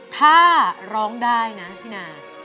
ถ้าร้องได้นะพี่นา